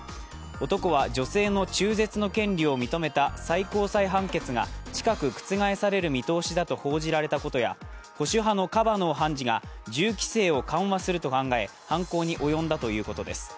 男は、女性の中絶の権利を認めた最高裁判決が近く覆される見通しだと報じられたことや、保守派のカバノー判事が銃規制を緩和すると考え、犯行に及んだということです。